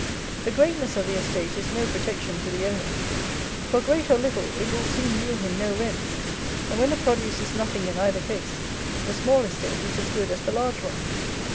The greatness of the estate is no protection to the owner; for, great or little, it will soon yield him no rents; and, when the produce is nothing in either case, the small estate is as good as the large one.